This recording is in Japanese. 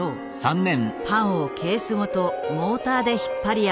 パンをケースごとモーターで引っ張り上げる。